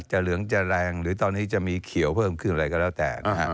เหลืองจะแรงหรือตอนนี้จะมีเขียวเพิ่มขึ้นอะไรก็แล้วแต่นะฮะ